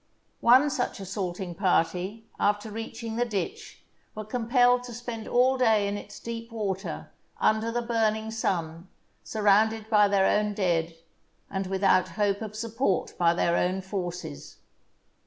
One such assaulting party, after reaching the ditch, were compelled to spend all day in its deep water, under the burning sun, surrounded by their own dead, and without hope of support by their own forces.